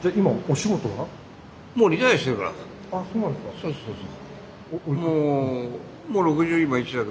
そうそうそう。